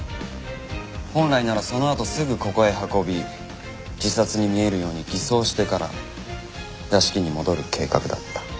本来ならそのあとすぐここへ運び自殺に見えるように偽装してから屋敷に戻る計画だった。